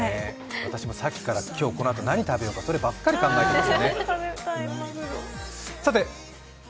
私もさっきから、今日何食べようかそればっかり考えています。